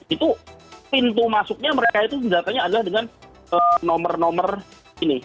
itu pintu masuknya mereka itu senjatanya adalah dengan nomor nomor ini